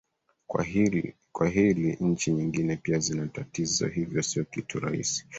kwa hili nchi nyingine pia zina tatizo hivyo sio kitu rahisi